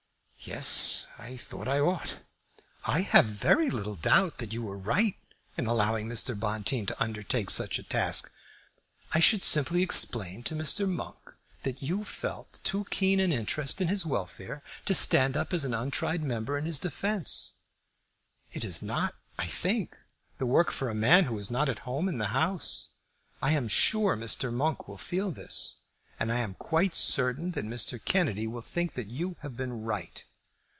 "Yes; I think I ought." "I have very little doubt but that you were right in allowing Mr. Bonteen to undertake such a task. I should simply explain to Mr. Monk that you felt too keen an interest in his welfare to stand up as an untried member in his defence. It is not, I think, the work for a man who is not at home in the House. I am sure Mr. Monk will feel this, and I am quite certain that Mr. Kennedy will think that you have been right."